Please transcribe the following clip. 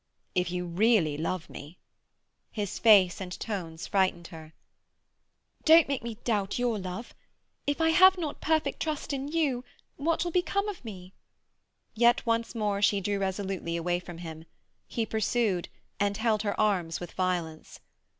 "If you really love me—" His face and tones frightened her. "Don't make me doubt your love! If I have not perfect trust in you what will become of me?" Yet once more she drew resolutely away from him. He pursued, and held her arms with violence.